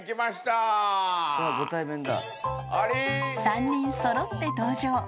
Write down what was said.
［３人揃って登場］